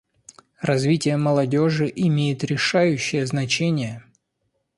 Развитие молодежи имеет решающее значение.